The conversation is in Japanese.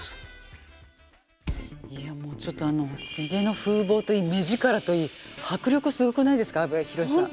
いやもうちょっとあのひげの風貌といい目力といい迫力すごくないですか阿部寛さん。